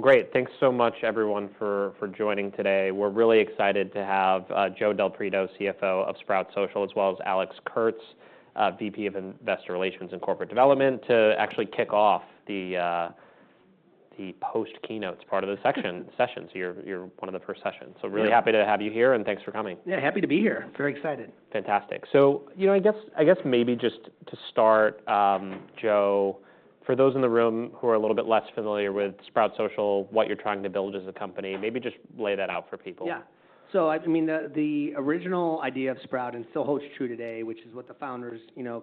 Great. Thanks so much, everyone, for joining today. We're really excited to have Joe Del Preto, CFO of Sprout Social, as well as Alex Kurtz, VP of Investor Relations and Corporate Development, to actually kick off the post-keynote part of the session. You're one of the first sessions. Really happy to have you here, and thanks for coming. Yeah, happy to be here. Very excited. Fantastic. So I guess maybe just to start, Joe, for those in the room who are a little bit less familiar with Sprout Social, what you're trying to build as a company, maybe just lay that out for people. Yeah. So I mean, the original idea of Sprout, and it still holds true today, which is what the founders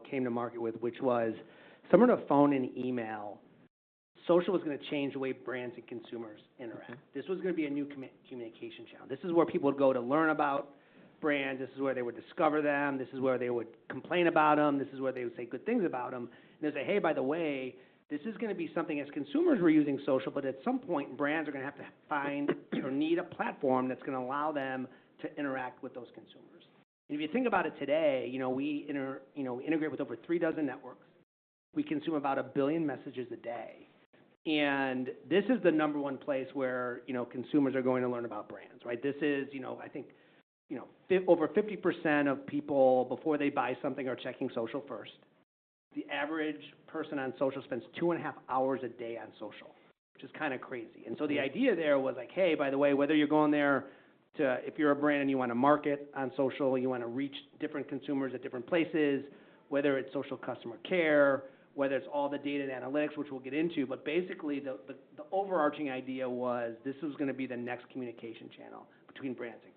came to market with, which was somewhere in between phone and email, social was going to change the way brands and consumers interact. This was going to be a new communication channel. This is where people would go to learn about brands. This is where they would discover them. This is where they would complain about them. This is where they would say good things about them. And they'd say, hey, by the way, this is going to be something as consumers were using social, but at some point, brands are going to have to find or need a platform that's going to allow them to interact with those consumers. And if you think about it today, we integrate with over three dozen networks. We consume about a billion messages a day, and this is the number one place where consumers are going to learn about brands. This is, I think, over 50% of people, before they buy something, are checking social first. The average person on social spends two and a half hours a day on social, which is kind of crazy, and so the idea there was like, hey, by the way, whether you're going there to, if you're a brand and you want to market on social, you want to reach different consumers at different places, whether it's social customer care, whether it's all the data and analytics, which we'll get into, but basically, the overarching idea was this was going to be the next communication channel between brands and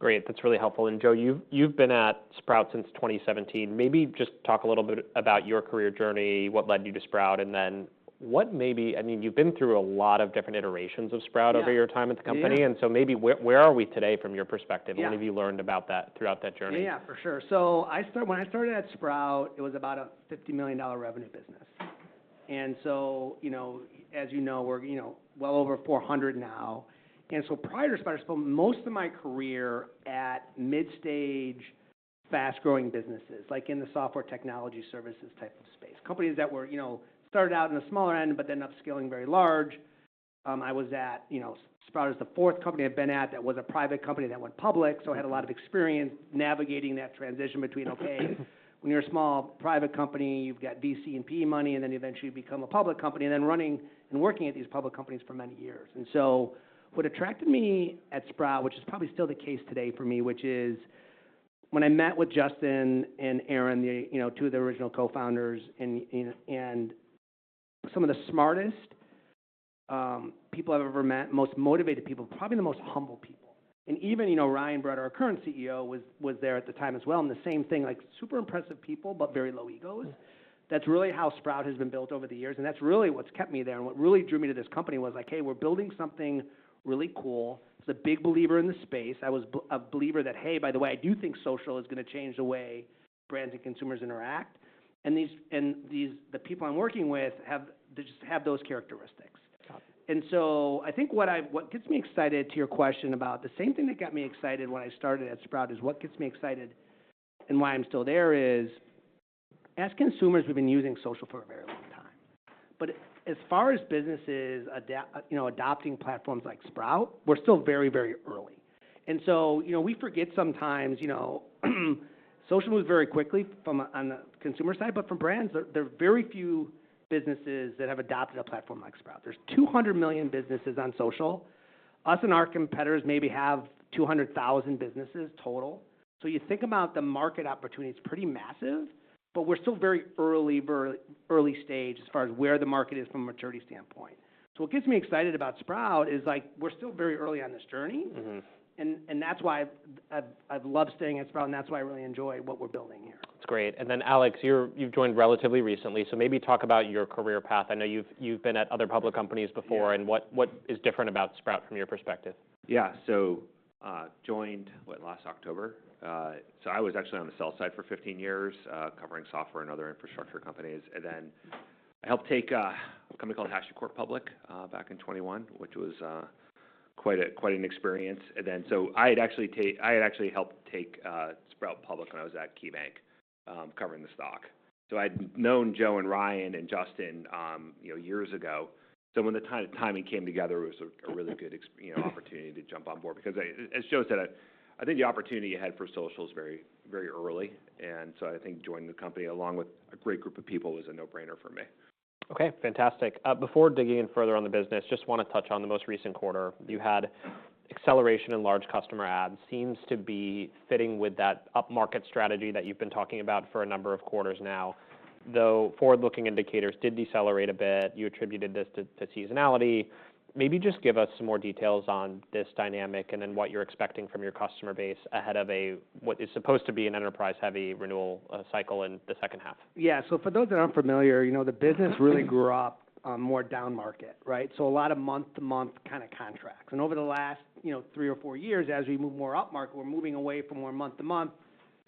consumers. Great. That's really helpful. And Joe, you've been at Sprout since 2017. Maybe just talk a little bit about your career journey, what led you to Sprout, and then what maybe I mean, you've been through a lot of different iterations of Sprout over your time at the company. And so maybe where are we today from your perspective? What have you learned about that throughout that journey? Yeah, for sure. So when I started at Sprout, it was about a $50 million revenue business. And so, as you know, we're well over $400 million now. And so prior to Sprout, I spent most of my career at mid-stage, fast-growing businesses, like in the software technology services type of space, companies that started out in the smaller end, but then upscaling very large. I was at Sprout as the fourth company I've been at that was a private company that went public. So I had a lot of experience navigating that transition between, OK, when you're a small private company, you've got VC and PE money, and then eventually you become a public company, and then running and working at these public companies for many years. And so what attracted me at Sprout, which is probably still the case today for me, which is when I met with Justyn and Aaron, two of the original co-founders, and some of the smartest people I've ever met, most motivated people, probably the most humble people. And even Ryan Barretto, our current CEO, was there at the time as well. And the same thing, like super impressive people, but very low egos. That's really how Sprout has been built over the years. And that's really what's kept me there. And what really drew me to this company was like, hey, we're building something really cool. It's a big believer in the space. I was a believer that, hey, by the way, I do think social is going to change the way brands and consumers interact. And the people I'm working with just have those characteristics. And so I think what gets me excited to your question about the same thing that got me excited when I started at Sprout is what gets me excited and why I'm still there is as consumers, we've been using social for a very long time. But as far as businesses adopting platforms like Sprout, we're still very, very early. And so we forget sometimes social moves very quickly on the consumer side. But for brands, there are very few businesses that have adopted a platform like Sprout. There's 200 million businesses on social. Us and our competitors maybe have 200,000 businesses total. So you think about the market opportunity, it's pretty massive. But we're still very early stage as far as where the market is from a maturity standpoint. So what gets me excited about Sprout is we're still very early on this journey. That's why I've loved staying at Sprout, and that's why I really enjoy what we're building here. That's great. And then Alex, you've joined relatively recently. So maybe talk about your career path. I know you've been at other public companies before. And what is different about Sprout from your perspective? Yeah. So I joined last October. So I was actually on the sell side for 15 years covering software and other infrastructure companies. And then I helped take a company called HashiCorp public back in 2021, which was quite an experience. And then so I had actually helped take Sprout Social when I was at KeyBanc covering the stock. So I had known Joe and Ryan and Justyn years ago. So when the timing came together, it was a really good opportunity to jump on board. Because as Joe said, I think the opportunity you had for social is very early. And so I think joining the company along with a great group of people was a no-brainer for me. OK, fantastic. Before digging in further on the business, just want to touch on the most recent quarter. You had acceleration in large customer adds. Seems to be fitting with that up-market strategy that you've been talking about for a number of quarters now. Though forward-looking indicators did decelerate a bit. You attributed this to seasonality. Maybe just give us some more details on this dynamic and then what you're expecting from your customer base ahead of what is supposed to be an enterprise-heavy renewal cycle in the second half. Yeah. So for those that aren't familiar, the business really grew up more down market. So a lot of month-to-month kind of contracts. And over the last three or four years, as we move more up market, we're moving away from more month-to-month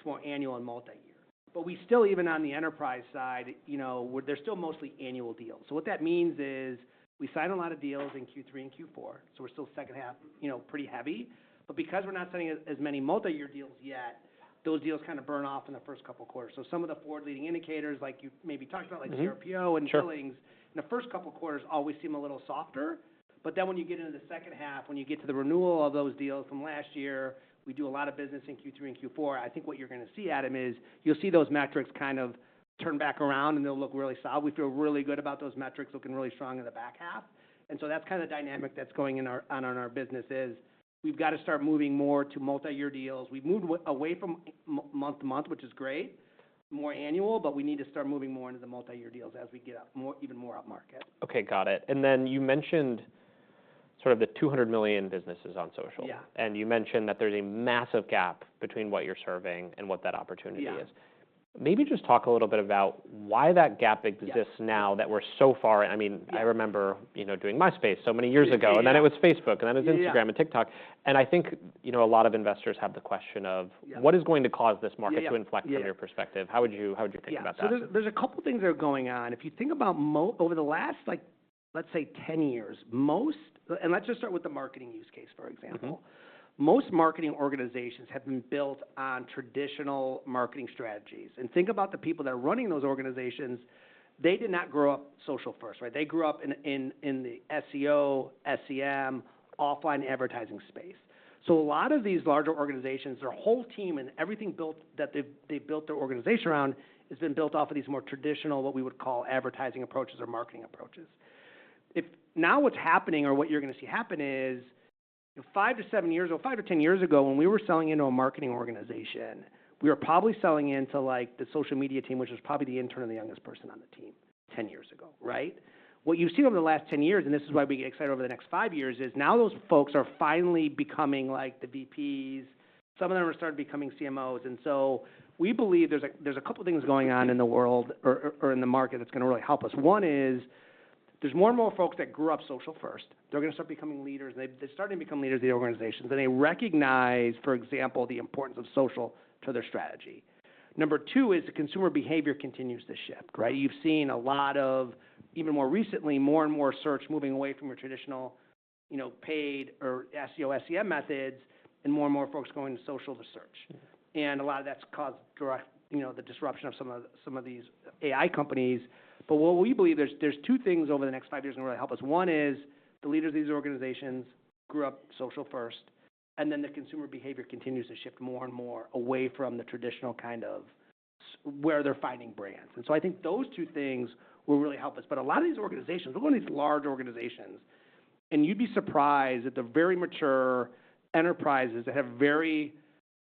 to more annual and multi-year. But we still, even on the enterprise side, there's still mostly annual deals. So what that means is we sign a lot of deals in Q3 and Q4. So we're still second half pretty heavy. But because we're not signing as many multi-year deals yet, those deals kind of burn off in the first couple of quarters. So some of the forward-leading indicators, like you maybe talked about, like CRPO and billings, in the first couple of quarters always seem a little softer. But then when you get into the second half, when you get to the renewal of those deals from last year, we do a lot of business in Q3 and Q4. I think what you're going to see at them is you'll see those metrics kind of turn back around, and they'll look really solid. We feel really good about those metrics looking really strong in the back half. And so that's kind of the dynamic that's going on in our business is we've got to start moving more to multi-year deals. We've moved away from month-to-month, which is great, more annual. But we need to start moving more into the multi-year deals as we get even more up market. OK, got it. And then you mentioned sort of the 200 million businesses on social. Yeah. You mentioned that there's a massive gap between what you're serving and what that opportunity is. Yeah. Maybe just talk a little bit about why that gap exists now that we're so far. I mean, I remember doing MySpace so many years ago. And then it was Facebook, and then it was Instagram and TikTok. And I think a lot of investors have the question of what is going to cause this market to inflect from your perspective? How would you think about that? Yeah. So there's a couple of things that are going on. If you think about over the last, let's say, 10 years, most, and let's just start with the marketing use case, for example. Most marketing organizations have been built on traditional marketing strategies. And think about the people that are running those organizations. They did not grow up social first. They grew up in the SEO, SEM, offline advertising space. So a lot of these larger organizations, their whole team and everything that they've built their organization around has been built off of these more traditional, what we would call advertising approaches or marketing approaches. Now what's happening or what you're going to see happen is five-to-seven years ago, five or 10 years ago, when we were selling into a marketing organization, we were probably selling into the social media team, which was probably the intern or the youngest person on the team 10 years ago. What you see over the last 10 years, and this is why we get excited over the next five years, is now those folks are finally becoming like the VPs. Some of them are starting becoming CMOs. And so we believe there's a couple of things going on in the world or in the market that's going to really help us. One is there's more and more folks that grew up social first. They're going to start becoming leaders. They're starting to become leaders of the organizations. And they recognize, for example, the importance of social to their strategy. Number two is the consumer behavior continues to shift. You've seen a lot of, even more recently, more and more search moving away from your traditional paid or SEO, SEM methods and more and more folks going to social to search, and a lot of that's caused the disruption of some of these AI companies, but what we believe, there's two things over the next five years that will really help us. One is the leaders of these organizations grew up social first, and then the consumer behavior continues to shift more and more away from the traditional kind of where they're finding brands, and so I think those two things will really help us, but a lot of these organizations, we're one of these large organizations, and you'd be surprised that they're very mature enterprises that have very,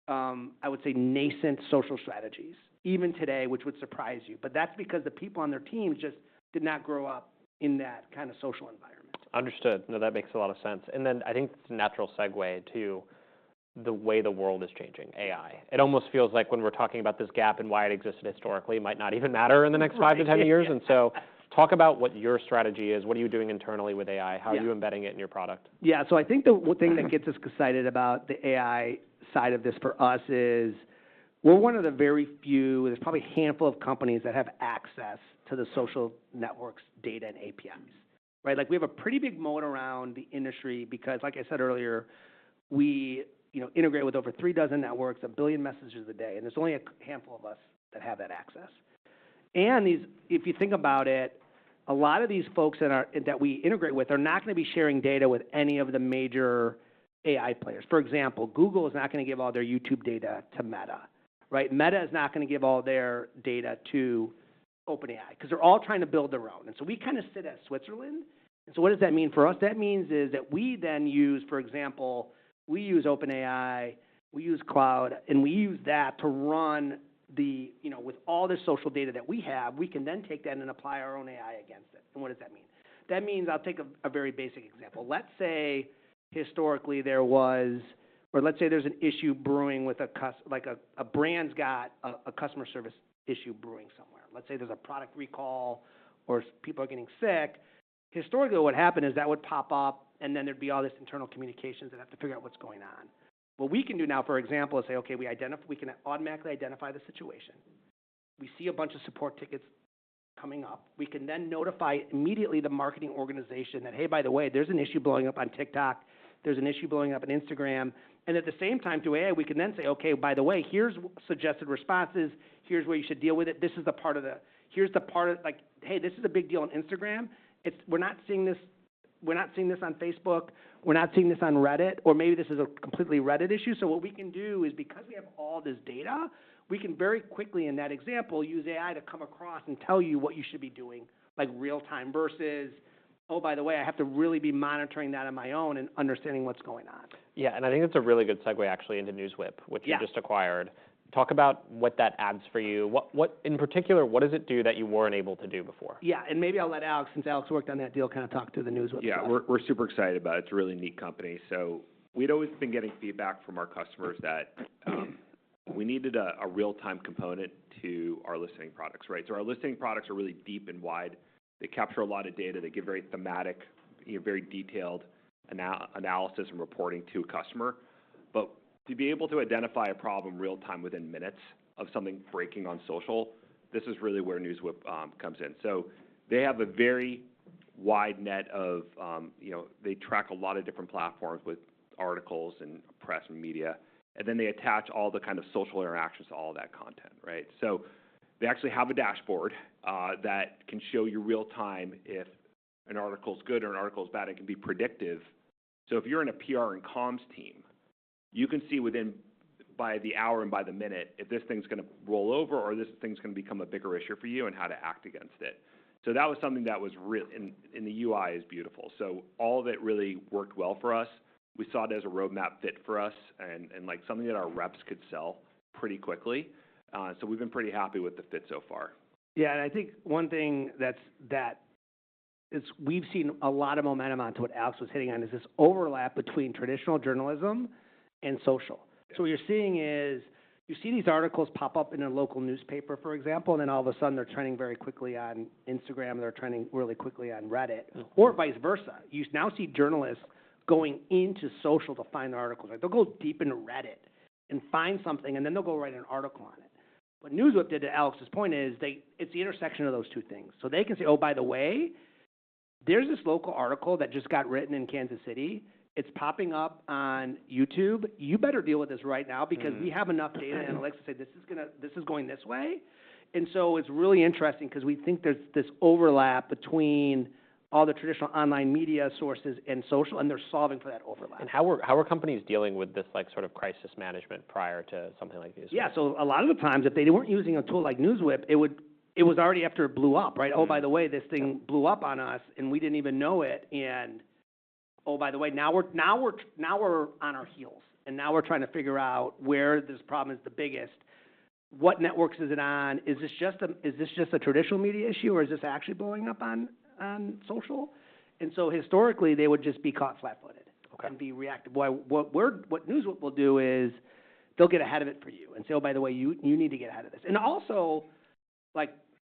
I would say, nascent social strategies, even today, which would surprise you. But that's because the people on their teams just did not grow up in that kind of social environment. Understood. No, that makes a lot of sense. And then I think it's a natural segue to the way the world is changing, AI. It almost feels like when we're talking about this gap and why it existed historically, it might not even matter in the next five to 10 years. And so talk about what your strategy is. What are you doing internally with AI? How are you embedding it in your product? Yeah. So I think the thing that gets us excited about the AI side of this for us is we're one of the very few, there's probably a handful of companies that have access to the social networks data and APIs. We have a pretty big moat around the industry because, like I said earlier, we integrate with over three dozen networks, a billion messages a day, and there's only a handful of us that have that access. And if you think about it, a lot of these folks that we integrate with are not going to be sharing data with any of the major AI players. For example, Google is not going to give all their YouTube data to Meta. Meta is not going to give all their data to OpenAI because they're all trying to build their own, and so we kind of sit as Switzerland. And so what does that mean for us? That means that we then use, for example, we use OpenAI. We use Claude. And we use that to run them with all the social data that we have, we can then take that and apply our own AI against it. And what does that mean? That means I'll take a very basic example. Let's say historically, or let's say there's an issue brewing with a customer, like a brand's got a customer service issue brewing somewhere. Let's say there's a product recall or people are getting sick. Historically, what would happen is that would pop up, and then there'd be all this internal communications that have to figure out what's going on. What we can do now, for example, is say, OK, we can automatically identify the situation. We see a bunch of support tickets coming up. We can then notify immediately the marketing organization that, hey, by the way, there's an issue blowing up on TikTok. There's an issue blowing up on Instagram, and at the same time, through AI, we can then say, OK, by the way, here's suggested responses. Here's where you should deal with it. This is the part of the - hey, this is a big deal on Instagram. We're not seeing this on Facebook. We're not seeing this on Reddit, or maybe this is a completely Reddit issue, so what we can do is because we have all this data, we can very quickly, in that example, use AI to come across and tell you what you should be doing like real time versus, oh, by the way, I have to really be monitoring that on my own and understanding what's going on. Yeah, and I think that's a really good segue, actually, into NewsWhip, which you just acquired. Talk about what that adds for you. In particular, what does it do that you weren't able to do before? Yeah. And maybe I'll let Alex, since Alex worked on that deal, kind of talk to the NewsWhip team. Yeah. We're super excited about it. It's a really neat company. So we'd always been getting feedback from our customers that we needed a real-time component to our listening products. So our listening products are really deep and wide. They capture a lot of data. They give very thematic, very detailed analysis and reporting to a customer. But to be able to identify a problem real time within minutes of something breaking on social, this is really where NewsWhip comes in. So they have a very wide net of, they track a lot of different platforms with articles and press and media. And then they attach all the kind of social interactions to all that content. So they actually have a dashboard that can show you real time if an article is good or an article is bad and can be predictive. So if you're in a PR and comms team, you can see by the hour and by the minute if this thing's going to roll over or this thing's going to become a bigger issue for you and how to act against it. So that was something that was really, and the UI is beautiful. So all of it really worked well for us. We saw it as a roadmap fit for us and something that our reps could sell pretty quickly. So we've been pretty happy with the fit so far. Yeah, and I think one thing that we've seen a lot of momentum on, to what Alex was hitting on, is this overlap between traditional journalism and social. So, what you're seeing is you see these articles pop up in a local newspaper, for example, and then all of a sudden, they're trending very quickly on Instagram. They're trending really quickly on Reddit or vice versa. You now see journalists going into social to find the articles. They'll go deep into Reddit and find something, and then they'll go write an article on it. But what NewsWhip does, to Alex's point, is it's the intersection of those two things. So they can say, oh, by the way, there's this local article that just got written in Kansas City. It's popping up on YouTube. You better deal with this right now because we have enough data analytics to say this is going this way, and so it's really interesting because we think there's this overlap between all the traditional online media sources and social, and they're solving for that overlap. How are companies dealing with this sort of crisis management prior to something like NewsWhip? Yeah. So a lot of the times, if they weren't using a tool like NewsWhip, it was already after it blew up. Oh, by the way, this thing blew up on us, and we didn't even know it. And oh, by the way, now we're on our heels. And now we're trying to figure out where this problem is the biggest. What networks is it on? Is this just a traditional media issue, or is this actually blowing up on social? And so historically, they would just be caught flat-footed and be reactive. What NewsWhip will do is they'll get ahead of it for you and say, oh, by the way, you need to get ahead of this. And also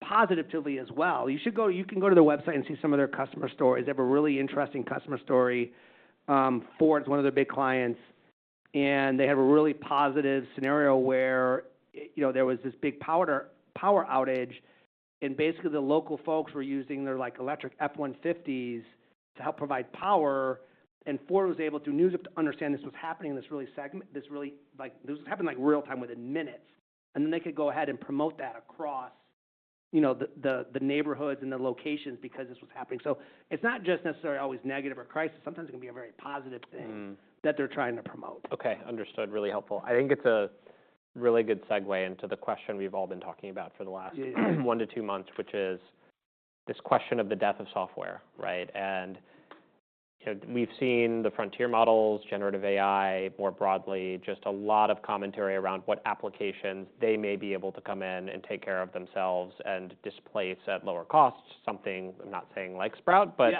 positively as well, you can go to their website and see some of their customer stories. They have a really interesting customer story. Ford's one of their big clients. They have a really positive scenario where there was this big power outage. Basically, the local folks were using their electric F-150s to help provide power. Ford was able to use NewsWhip to understand this was happening in this real segment. This was happening real time within minutes. They could go ahead and promote that across the neighborhoods and the locations because this was happening. It's not just necessarily always negative or crisis. Sometimes it can be a very positive thing that they're trying to promote. OK. Understood. Really helpful. I think it's a really good segue into the question we've all been talking about for the last one to two months, which is this question of the death of software, and we've seen the frontier models, generative AI more broadly, just a lot of commentary around what applications they may be able to come in and take care of themselves and displace at lower costs, something I'm not saying like Sprout, but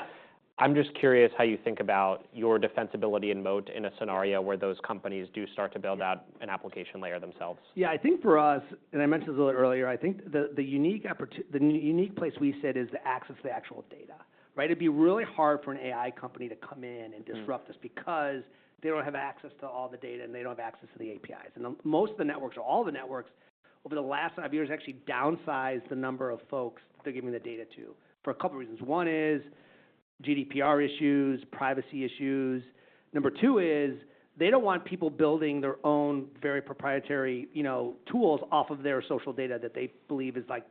I'm just curious how you think about your defensibility and moat in a scenario where those companies do start to build out an application layer themselves. Yeah. I think for us, and I mentioned this a little earlier, I think the unique place we sit is the access to the actual data. It'd be really hard for an AI company to come in and disrupt this because they don't have access to all the data, and they don't have access to the APIs, and most of the networks, or all the networks, over the last five years actually downsized the number of folks that they're giving the data to for a couple of reasons. One is GDPR issues, privacy issues. Number two is they don't want people building their own very proprietary tools off of their social data that they believe is, like,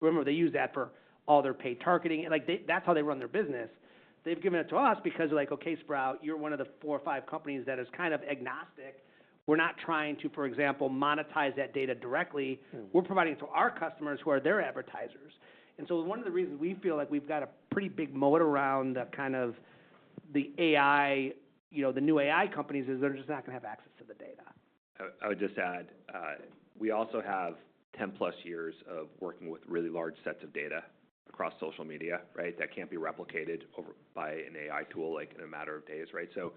remember, they use that for all their paid targeting. That's how they run their business. They've given it to us because they're like, OK, Sprout, you're one of the four or five companies that is kind of agnostic. We're not trying to, for example, monetize that data directly. We're providing it to our customers who are their advertisers. And so one of the reasons we feel like we've got a pretty big moat around kind of the new AI companies is they're just not going to have access to the data. I would just add, we also have 10-plus years of working with really large sets of data across social media that can't be replicated by an AI tool in a matter of days. So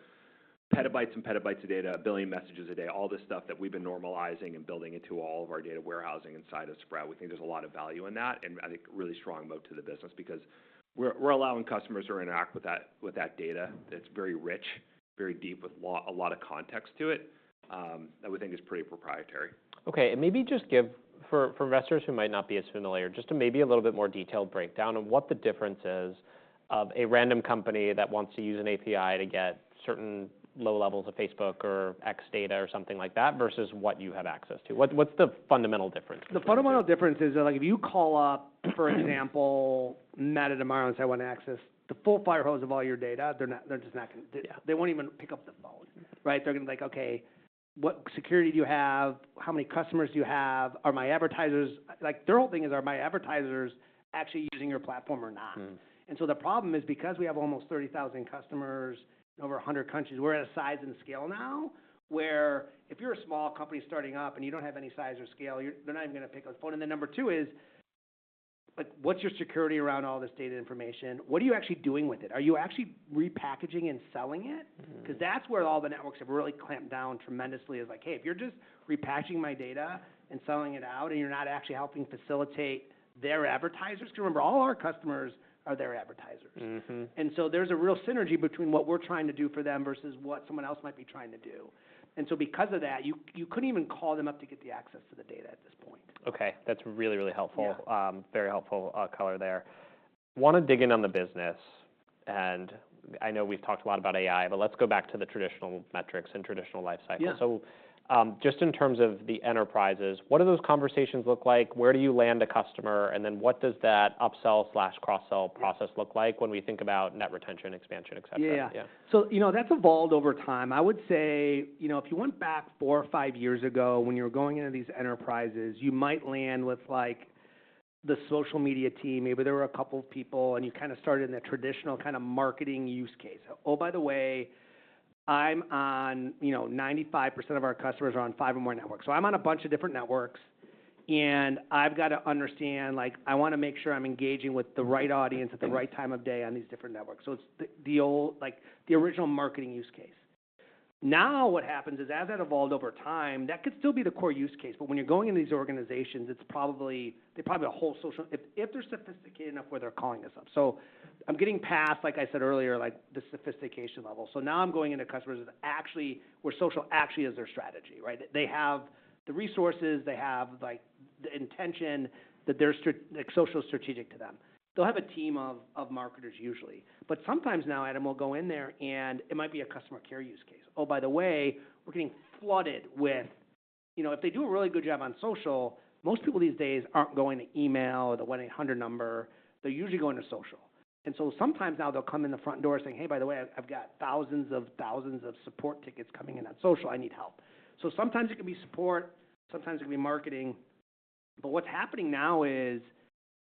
petabytes and petabytes of data, a billion messages a day, all this stuff that we've been normalizing and building into all of our data warehousing inside of Sprout. We think there's a lot of value in that. I think really strong moat to the business because we're allowing customers to interact with that data that's very rich, very deep, with a lot of context to it that we think is pretty proprietary. OK. And maybe just give, for investors who might not be as familiar, just maybe a little bit more detailed breakdown on what the difference is of a random company that wants to use an API to get certain low levels of Facebook or X data or something like that versus what you have access to. What's the fundamental difference? The fundamental difference is if you call up, for example, Meta tomorrow and say, I want to access the full fire hose of all your data, they're just not going to do it. They won't even pick up the phone. They're going to be like, OK, what security do you have? How many customers do you have? Are my advertisers? Their whole thing is, are my advertisers actually using your platform or not? And so the problem is because we have almost 30,000 customers in over 100 countries, we're at a size and scale now where if you're a small company starting up and you don't have any size or scale, they're not even going to pick up the phone. And then number two is, what's your security around all this data information? What are you actually doing with it? Are you actually repackaging and selling it? Because that's where all the networks have really clamped down tremendously is like, hey, if you're just repackaging my data and selling it out and you're not actually helping facilitate their advertisers because remember, all our customers are their advertisers. And so there's a real synergy between what we're trying to do for them versus what someone else might be trying to do. And so because of that, you couldn't even call them up to get the access to the data at this point. OK. That's really, really helpful. Very helpful color there. I want to dig in on the business, and I know we've talked a lot about AI, but let's go back to the traditional metrics and traditional lifecycle, so just in terms of the enterprises, what do those conversations look like? Where do you land a customer? And then what does that upsell/cross-sell process look like when we think about net retention, expansion, et cetera? Yeah. So that's evolved over time. I would say if you went back four or five years ago when you were going into these enterprises, you might land with the social media team. Maybe there were a couple of people, and you kind of started in the traditional kind of marketing use case. Oh, by the way, 95% of our customers are on five or more networks. So I'm on a bunch of different networks. And I've got to understand, I want to make sure I'm engaging with the right audience at the right time of day on these different networks. So it's the original marketing use case. Now what happens is as that evolved over time, that could still be the core use case. But when you're going into these organizations, they're probably a whole social if they're sophisticated enough where they're calling this up. I'm getting past, like I said earlier, the sophistication level. So now I'm going into customers where social actually is their strategy. They have the resources. They have the intention that they're social strategic to them. They'll have a team of marketers usually. But sometimes now Adam will go in there, and it might be a customer care use case. Oh, by the way, we're getting flooded with if they do a really good job on social, most people these days aren't going to email or the 1-800 number. They're usually going to social. And so sometimes now they'll come in the front door saying, hey, by the way, I've got thousands of thousands of support tickets coming in on social. I need help. So sometimes it can be support. Sometimes it can be marketing. But what's happening now is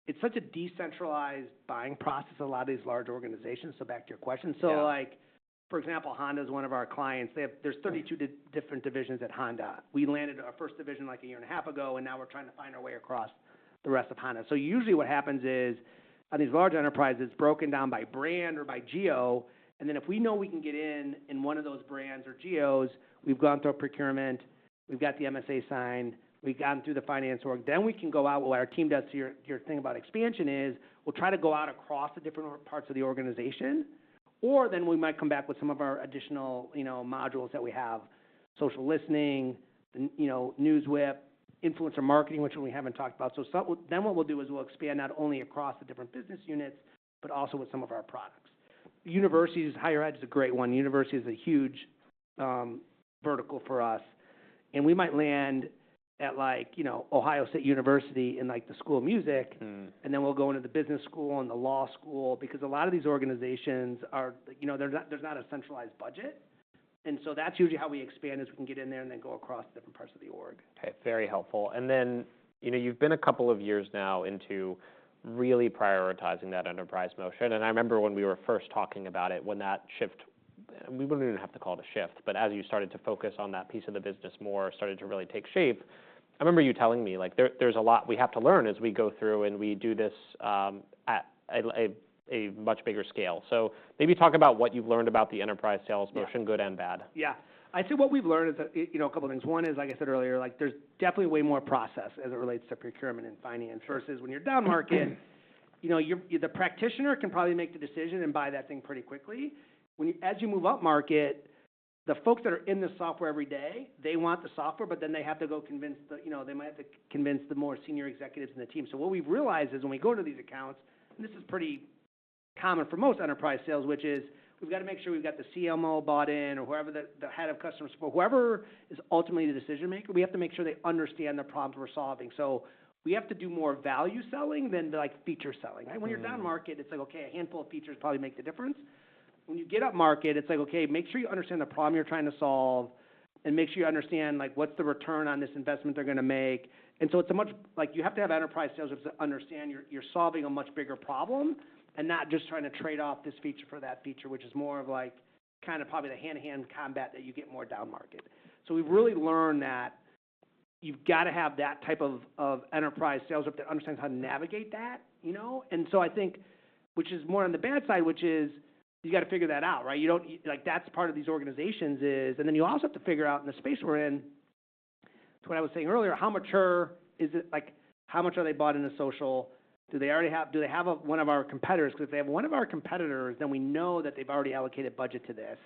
it's such a decentralized buying process in a lot of these large organizations. So back to your question. So for example, Honda is one of our clients. There's 32 different divisions at Honda. We landed our first division like a year and a half ago, and now we're trying to find our way across the rest of Honda. So usually what happens is on these large enterprises broken down by brand or by geo. And then if we know we can get in in one of those brands or geos, we've gone through a procurement. We've got the MSA signed. We've gotten through the finance org. Then we can go out. What our team does to your thing about expansion is we'll try to go out across the different parts of the organization. Or, then we might come back with some of our additional modules that we have: social listening, NewsWhip, influencer marketing, which we haven't talked about. So, then what we'll do is we'll expand not only across the different business units, but also with some of our products. Universities, Higher Ed is a great one. University is a huge vertical for us. And we might land at Ohio State University in the School of Music. And then we'll go into the business school and the law school because a lot of these organizations, there's not a centralized budget. And so that's usually how we expand is we can get in there and then go across different parts of the org. Very helpful. And then you've been a couple of years now into really prioritizing that enterprise motion. And I remember when we were first talking about it, when that shift, we wouldn't even have to call it a shift, but as you started to focus on that piece of the business more, started to really take shape. I remember you telling me there's a lot we have to learn as we go through and we do this at a much bigger scale. So maybe talk about what you've learned about the enterprise sales motion, good and bad. Yeah. I'd say what we've learned is a couple of things. One is, like I said earlier, there's definitely way more process as it relates to procurement and finance versus when you're down market. The practitioner can probably make the decision and buy that thing pretty quickly. As you move up market, the folks that are in the software every day, they want the software, but then they have to go convince, they might have to convince the more senior executives in the team. So what we've realized is when we go to these accounts, and this is pretty common for most enterprise sales, which is we've got to make sure we've got the CMO bought in or whoever the head of customer support, whoever is ultimately the decision maker, we have to make sure they understand the problems we're solving. We have to do more value selling than feature selling. When you're down market, it's like, OK, a handful of features probably make the difference. When you get up market, it's like, OK, make sure you understand the problem you're trying to solve and make sure you understand what's the return on this investment they're going to make. And so you have to have enterprise sales reps that understand you're solving a much bigger problem and not just trying to trade off this feature for that feature, which is more of kind of probably the hand-to-hand combat that you get more down market. So we've really learned that you've got to have that type of enterprise sales rep that understands how to navigate that. And so I think, which is more on the bad side, which is you've got to figure that out. That's part of these organizations is. And then you also have to figure out in the space we're in, to what I was saying earlier, how mature is it? How much are they bought into social? Do they already have one of our competitors? Because if they have one of our competitors, then we know that they've already allocated budget to this.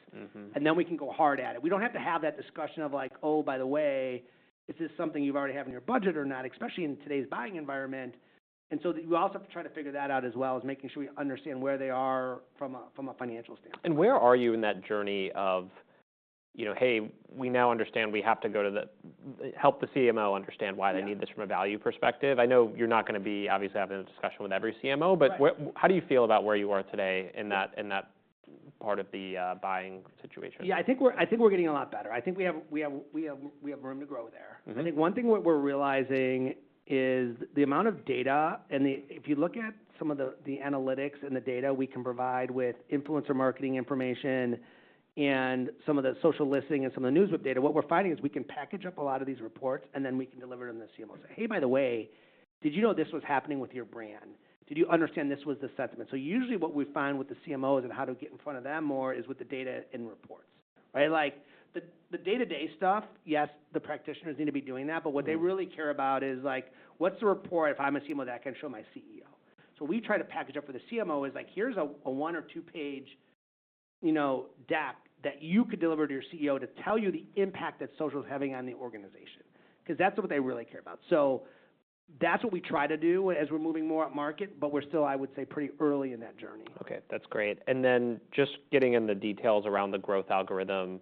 And then we can go hard at it. We don't have to have that discussion of like, oh, by the way, is this something you've already have in your budget or not, especially in today's buying environment? And so we also have to try to figure that out as well, is making sure we understand where they are from a financial standpoint. Where are you in that journey of, hey, we now understand we have to help the CMO understand why they need this from a value perspective? I know you're not going to be obviously having a discussion with every CMO, but how do you feel about where you are today in that part of the buying situation? Yeah. I think we're getting a lot better. I think we have room to grow there. I think one thing we're realizing is the amount of data, and if you look at some of the analytics and the data we can provide with influencer marketing information and some of the social listening and some of the NewsWhip data, what we're finding is we can package up a lot of these reports, and then we can deliver them to the CMO and say, hey, by the way, did you know this was happening with your brand? Did you understand this was the sentiment, so usually what we find with the CMOs and how to get in front of them more is with the data and reports. The day-to-day stuff, yes, the practitioners need to be doing that. But what they really care about is what's the report if I'm a CMO that I can show my CEO? So we try to package up for the CMO is like, here's a one or two-page deck that you could deliver to your CEO to tell you the impact that social is having on the organization because that's what they really care about. So that's what we try to do as we're moving more up market, but we're still, I would say, pretty early in that journey. OK. That's great. And then just getting in the details around the growth algorithm,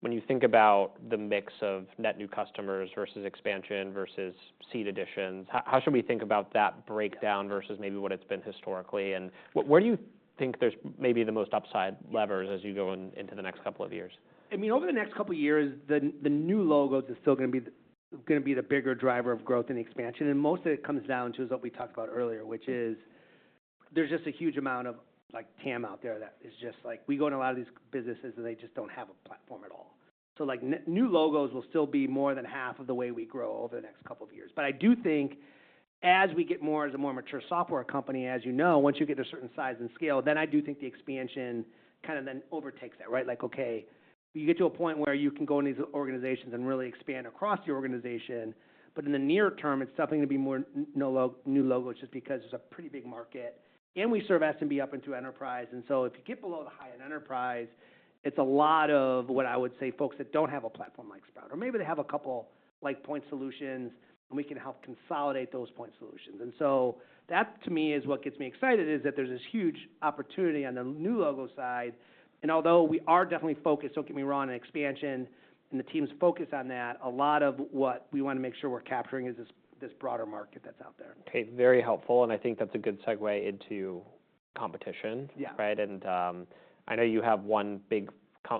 when you think about the mix of net new customers versus expansion versus seat additions, how should we think about that breakdown versus maybe what it's been historically? And where do you think there's maybe the most upside levers as you go into the next couple of years? I mean, over the next couple of years, the new logos is still going to be the bigger driver of growth and expansion. And most of it comes down to is what we talked about earlier, which is there's just a huge amount of TAM out there that is just like we go into a lot of these businesses and they just don't have a platform at all. So new logos will still be more than half of the way we grow over the next couple of years. But I do think as we get more as a more mature software company, as you know, once you get to a certain size and scale, then I do think the expansion kind of then overtakes that. Like, OK, you get to a point where you can go into these organizations and really expand across the organization. But in the near term, it's something to be more new logos just because it's a pretty big market. And we serve SMB up into enterprise. And so if you get below the high end in enterprise, it's a lot of what I would say folks that don't have a platform like Sprout. Or maybe they have a couple like point solutions, and we can help consolidate those point solutions. And so that, to me, is what gets me excited is that there's this huge opportunity on the new logo side. And although we are definitely focused, don't get me wrong, on expansion and the team's focus on that, a lot of what we want to make sure we're capturing is this broader market that's out there. OK. Very helpful. And I think that's a good segue into competition. And I know you have one big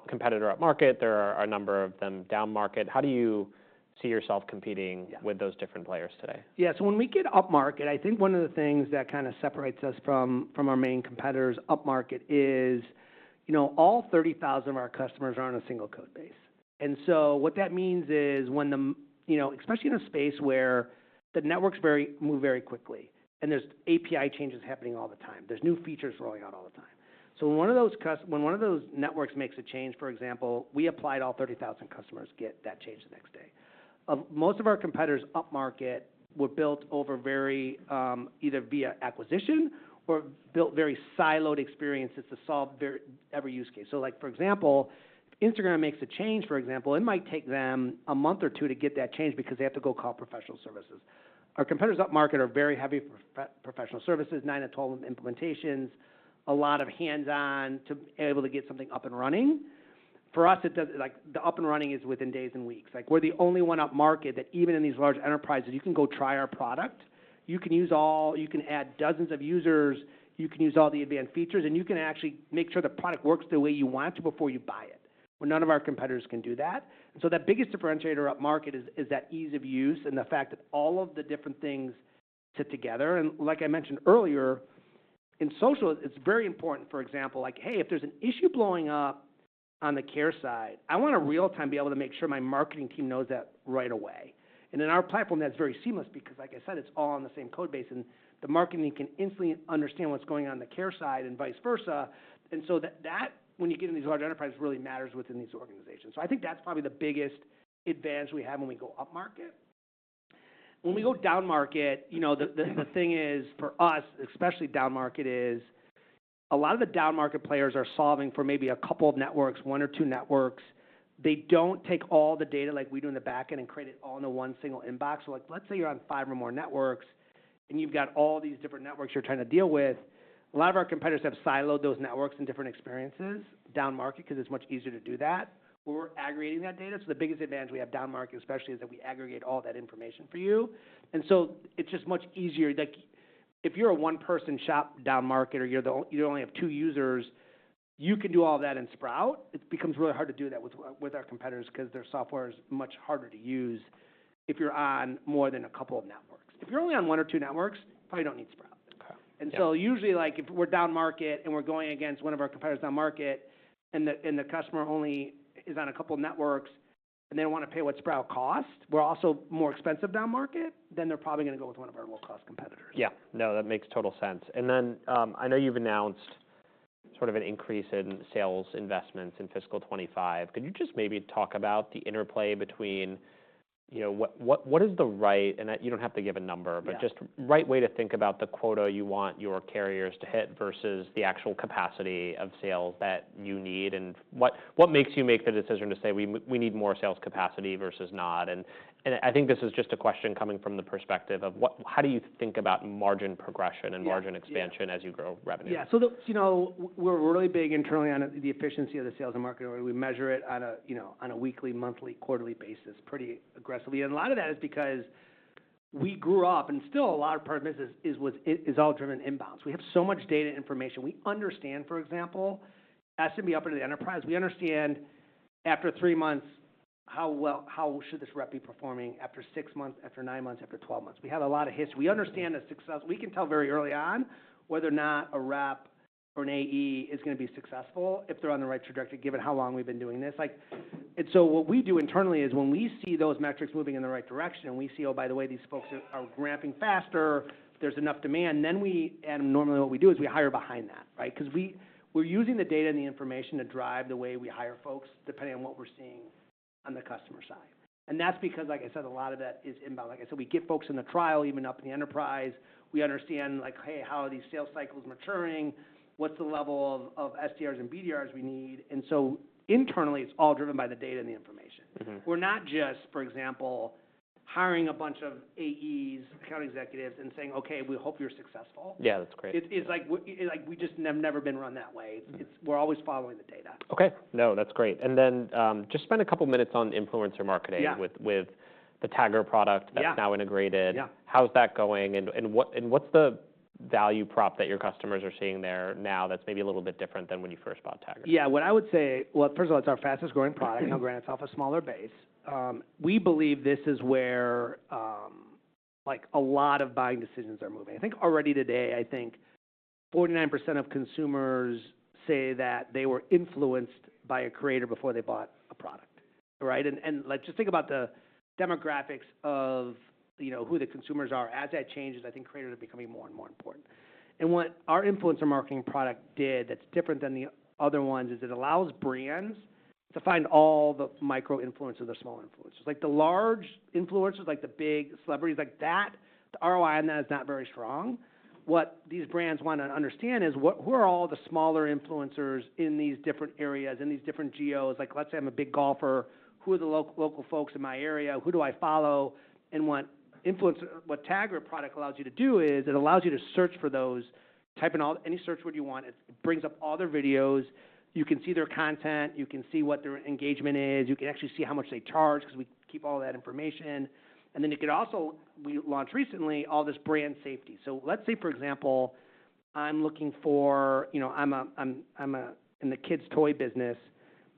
competitor up market. There are a number of them down market. How do you see yourself competing with those different players today? Yeah. So when we get up market, I think one of the things that kind of separates us from our main competitors up market is all 30,000 of our customers are on a single code base. And so what that means is, especially in a space where the networks move very quickly and there's API changes happening all the time, there's new features rolling out all the time. So when one of those networks makes a change, for example, we apply to all 30,000 customers get that change the next day. Most of our competitors up market were built over very either via acquisition or built very siloed experiences to solve every use case. So for example, if Instagram makes a change, for example, it might take them a month or two to get that change because they have to go call professional services. Our competitors upmarket are very heavy professional services: nine to 12 implementations, a lot of hands-on to be able to get something up and running. For us, the up and running is within days and weeks. We're the only one upmarket that even in these large enterprises, you can go try our product. You can add dozens of users. You can use all the advanced features, and you can actually make sure the product works the way you want it before you buy it, where none of our competitors can do that, and so that biggest differentiator upmarket is that ease of use and the fact that all of the different things sit together. Like I mentioned earlier, in social, it's very important. For example, like, hey, if there's an issue blowing up on the care side, I want to real-time be able to make sure my marketing team knows that right away. In our platform, that's very seamless because, like I said, it's all on the same code base. The marketing can instantly understand what's going on the care side and vice versa. So that, when you get in these large enterprises, really matters within these organizations. I think that's probably the biggest advantage we have when we go up market. When we go down market, the thing is for us, especially down market, is a lot of the down market players are solving for maybe a couple of networks, one or two networks. They don't take all the data like we do in the back end and create it all in the one single inbox. So let's say you're on five or more networks, and you've got all these different networks you're trying to deal with. A lot of our competitors have siloed those networks and different experiences down market because it's much easier to do that where we're aggregating that data. So the biggest advantage we have down market especially is that we aggregate all that information for you. And so it's just much easier. If you're a one-person shop down market or you only have two users, you can do all that in Sprout. It becomes really hard to do that with our competitors because their software is much harder to use if you're on more than a couple of networks. If you're only on one or two networks, you probably don't need Sprout. And so usually if we're down market and we're going against one of our competitors down market and the customer only is on a couple of networks and they don't want to pay what Sprout costs, we're also more expensive down market, then they're probably going to go with one of our low-cost competitors. Yeah. No, that makes total sense. And then I know you've announced sort of an increase in sales investments in fiscal 2025. Could you just maybe talk about the interplay between what is the right, and you don't have to give a number, but just right way to think about the quota you want your sellers to hit versus the actual capacity of sales that you need? And what makes you make the decision to say we need more sales capacity versus not? And I think this is just a question coming from the perspective of how do you think about margin progression and margin expansion as you grow revenue? Yeah. So we're really big internally on the efficiency of the sales and marketing. We measure it on a weekly, monthly, quarterly basis pretty aggressively. And a lot of that is because we grew up, and still a large part of this is all driven inbound. So we have so much data information. We understand, for example, SMB up into the enterprise. We understand after three months how should this rep be performing after six months, after nine months, after 12 months? We have a lot of history. We understand that success. We can tell very early on whether or not a rep or an AE is going to be successful if they're on the right trajectory, given how long we've been doing this. And so, what we do internally is, when we see those metrics moving in the right direction and we see, oh, by the way, these folks are ramping faster, there's enough demand, then we normally what we do is we hire behind that because we're using the data and the information to drive the way we hire folks depending on what we're seeing on the customer side. And that's because, like I said, a lot of that is inbound. Like I said, we get folks in the trial, even up in the enterprise. We understand, hey, how are these sales cycles maturing? What's the level of SDRs and BDRs we need? And so internally, it's all driven by the data and the information. We're not just, for example, hiring a bunch of AEs, account executives, and saying, OK, we hope you're successful. Yeah. That's great. It's like we just have never been run that way. We're always following the data. OK. No, that's great. And then just spend a couple of minutes on influencer marketing with the Tagger product that's now integrated. How's that going? And what's the value prop that your customers are seeing there now that's maybe a little bit different than when you first bought Tagger? Yeah. What I would say, well, first of all, it's our fastest growing product. Now, granted, it's off a smaller base. We believe this is where a lot of buying decisions are moving. I think already today, I think 49% of consumers say that they were influenced by a creator before they bought a product, and just think about the demographics of who the consumers are. As that changes, I think creators are becoming more and more important, and what our influencer marketing product did that's different than the other ones is it allows brands to find all the micro influencers, the small influencers. The large influencers, like the big celebrities, the ROI on that is not very strong. What these brands want to understand is who are all the smaller influencers in these different areas, in these different geos? Let's say I'm a big golfer. Who are the local folks in my area? Who do I follow? And what Tagger product allows you to do is it allows you to search for those, type in any search word you want. It brings up all their videos. You can see their content. You can see what their engagement is. You can actually see how much they charge because we keep all that information. And then you could also, we launched recently all this brand safety. So let's say, for example, I'm looking for, I'm in the kids' toy business,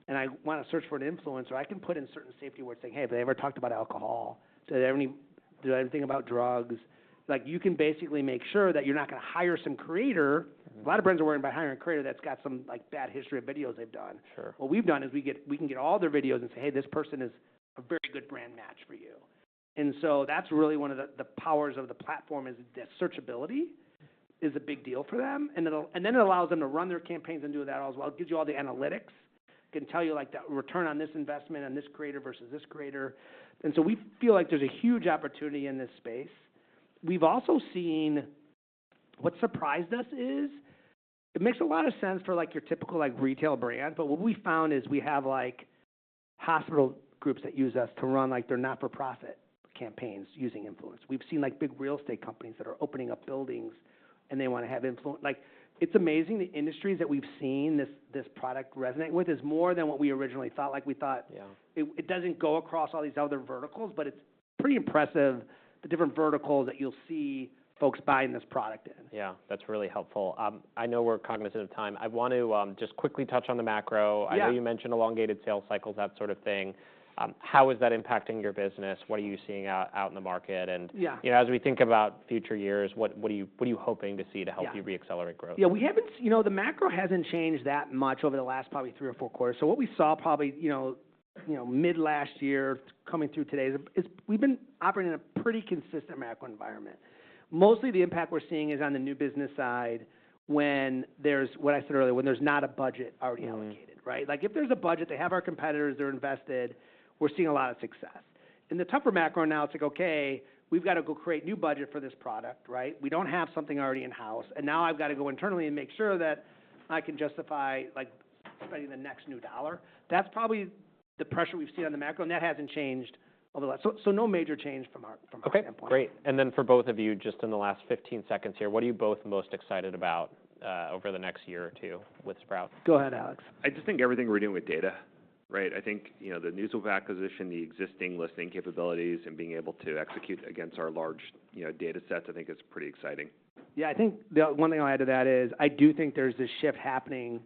and I want to search for an influencer. I can put in certain safety words saying, hey, have they ever talked about alcohol? Do they know anything about drugs? You can basically make sure that you're not going to hire some creator. A lot of brands are worried about hiring a creator that's got some bad history of videos they've done. What we've done is we can get all their videos and say, hey, this person is a very good brand match for you. And so that's really one of the powers of the platform is that searchability is a big deal for them. And then it allows them to run their campaigns and do that as well. It gives you all the analytics. It can tell you that return on this investment on this creator versus this creator. And so we feel like there's a huge opportunity in this space. We've also seen what surprised us is it makes a lot of sense for your typical retail brand. But what we found is we have hospital groups that use us to run their not-for-profit campaigns using influence. We've seen big real estate companies that are opening up buildings, and they want to have influence. It's amazing the industries that we've seen this product resonate with is more than what we originally thought. We thought it doesn't go across all these other verticals, but it's pretty impressive the different verticals that you'll see folks buying this product in. Yeah. That's really helpful. I know we're cognizant of time. I want to just quickly touch on the macro. I know you mentioned elongated sales cycles, that sort of thing. How is that impacting your business? What are you seeing out in the market? And as we think about future years, what are you hoping to see to help you re-accelerate growth? Yeah. The macro hasn't changed that much over the last probably three or four quarters. So what we saw probably mid-last year coming through today is we've been operating in a pretty consistent macro environment. Mostly the impact we're seeing is on the new business side when there's, what I said earlier, when there's not a budget already allocated. If there's a budget, they have our competitors, they're invested. We're seeing a lot of success. In the tougher macro analytics, OK, we've got to go create new budget for this product. We don't have something already in-house, and now I've got to go internally and make sure that I can justify spending the next new dollar. That's probably the pressure we've seen on the macro, and that hasn't changed over the last, so no major change from our standpoint. OK. Great, and then for both of you, just in the last 15 seconds here, what are you both most excited about over the next year or two with Sprout? Go ahead, Alex. I just think everything we're doing with data, I think the new acquisition, the existing listening capabilities, and being able to execute against our large data sets, I think is pretty exciting. Yeah. I think one thing I'll add to that is I do think there's this shift happening.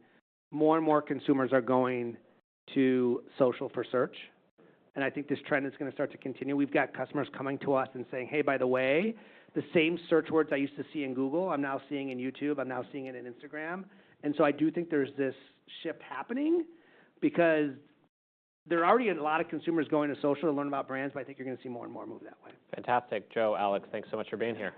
More and more consumers are going to social for search. And I think this trend is going to start to continue. We've got customers coming to us and saying, hey, by the way, the same search words I used to see in Google, I'm now seeing in YouTube. I'm now seeing it in Instagram. And so I do think there's this shift happening because there are already a lot of consumers going to social to learn about brands. But I think you're going to see more and more move that way. Fantastic. Joe, Alex, thanks so much for being here.